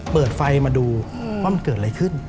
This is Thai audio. เปิดไฟมาดูว่ามันเกิดอะไรขึ้น